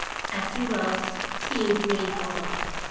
" as he rose, seem needful.